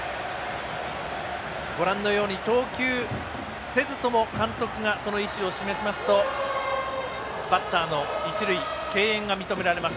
ご覧のように投球せずとも監督がその意思を示しますとバッターの一塁敬遠が認められます。